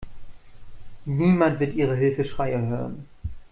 Niemand wird Ihre Hilfeschreie hören.